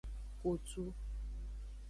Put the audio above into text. Kotu.